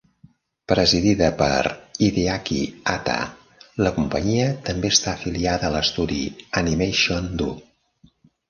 Presidida per Hideaki Hatta, la companyia també està afiliada a l'estudi Animation Do.